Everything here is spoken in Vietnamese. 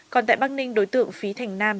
còn tại bắc ninh đối tượng phí thành nam